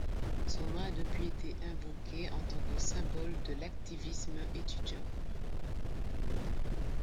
Son nom a depuis été invoqué en tant que symbole de l'activisme étudiant.